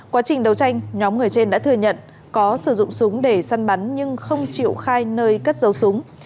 quá trình đấu tranh nhóm người trên đã thừa nhận có sử dụng súng để săn bắn nhưng không chịu khai nơi cất dấu súng